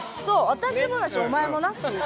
あたしもだしお前もなっていう。